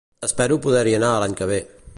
Espero poder-hi anar l'any que ve